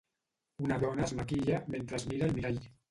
Una dona es maquilla mentre es mira al mirall.